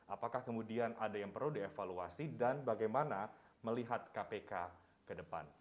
apakah kemudian ada yang perlu dievaluasi dan bagaimana melihat kpk ke depan